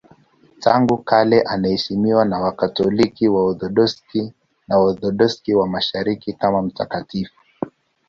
Tangu kale anaheshimiwa na Wakatoliki, Waorthodoksi na Waorthodoksi wa Mashariki kama mtakatifu.